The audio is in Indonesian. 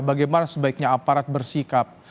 bagaimana sebaiknya aparat bersikap